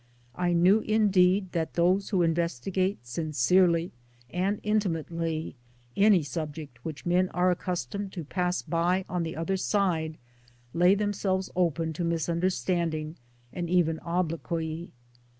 I knew indeed that those who investigate sincerely and intimately any. subject which men are accustomed to pass by on the other side lay themselves open to misunderstanding and even obloquy.